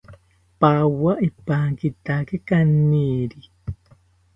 Pawa ipankitaki kaniri